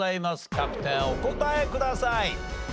キャプテンお答えください。